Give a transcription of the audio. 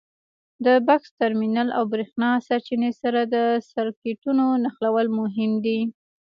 د بکس ټرمینل او برېښنا سرچینې سره د سرکټونو نښلول مهم دي.